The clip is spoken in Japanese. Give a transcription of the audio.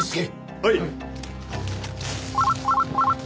はい。